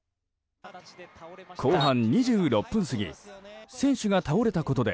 後半２６分過ぎ選手が倒れたことで